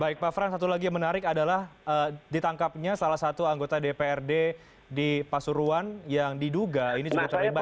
baik pak frans satu lagi yang menarik adalah ditangkapnya salah satu anggota dprd di pasuruan yang diduga ini juga terlibat